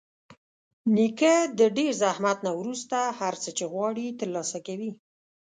نیکه د ډېر زحمت نه وروسته هر څه چې غواړي ترلاسه کوي.